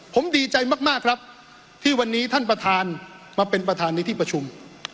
ผมดีใจมากครับที่วันนี้ท่านประธานมาเป็นประธานในที่ประชุม